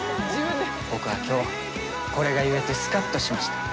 僕は今日これが言えてスカッとしました。